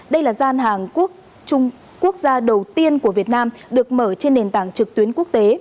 đây là gian hàng quốc gia đầu tiên của việt nam được mở trên nền tảng trực tuyến quốc tế